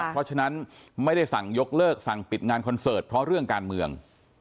เพราะฉะนั้นไม่ได้สั่งยกเลิกสั่งปิดงานคอนเสิร์ตเพราะเรื่องการเมือง